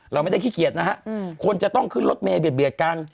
เราไม่ได้ขี้เกียจนะฮะคนจะต้องขึ้นรถเมย์เบียดกัน